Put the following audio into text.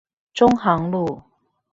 中航路